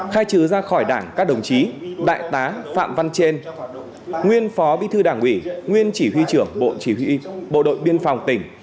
khai trừ ra khỏi đảng các đồng chí đại tá phạm văn trên nguyên phó bí thư đảng ủy nguyên chỉ huy trưởng bộ chỉ huy bộ đội biên phòng tỉnh